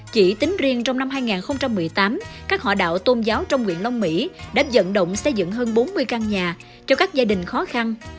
chỉ tính riêng trong năm hai nghìn một mươi tám các hòa đạo tôn giáo trong nguyện long mỹ đã dẫn động xây dựng hơn bốn mươi căn nhà cho các gia đình khó khăn